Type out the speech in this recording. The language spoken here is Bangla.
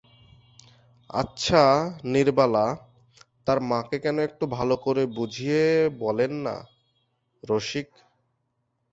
আচ্ছা, নীরবালা তাঁর মাকে কেন একটু ভালো করে বুঝিয়ে বলেন না– রসিক।